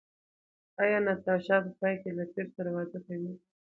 ایا ناتاشا په پای کې له پییر سره واده کوي؟